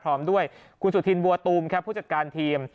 พร้อมด้วยคุณสุธินบัวตูมครับผู้จัดการทีม